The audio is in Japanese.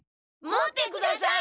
持ってください！